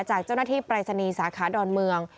จากเจ้าหน้าที่ปรายศนีย์สาขาดอนเมือง